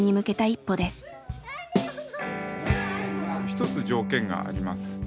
一つ条件があります。